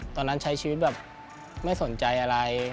ตอนนั้นใช้ชีวิตไม่ชอบอะไร